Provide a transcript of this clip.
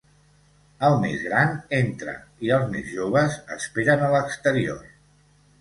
El més gran entra i els més joves esperen a l'exterior.